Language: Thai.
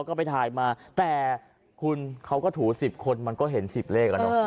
ก็ไปถ่ายมาแต่คุณเขาก็ถูสิบคนมันก็เห็นสิบเลขอ่ะเนาะ